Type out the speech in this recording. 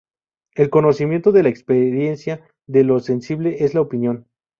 El conocimiento de la experiencia, de lo sensible es la opinión.